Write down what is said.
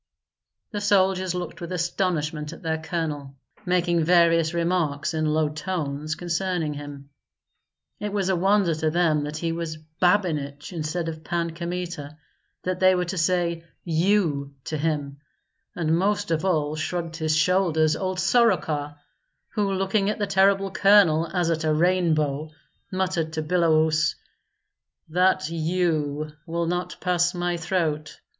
The soldiers looked with astonishment at their colonel, making various remarks, in low tones, concerning him. It was a wonder to them that he was Babinich instead of Pan Kmita, that they were to say you to him; and most of all shrugged his shoulders old Soroka, who, looking at the terrible colonel as at a rainbow, muttered to Biloüs, "That you will not pass my throat.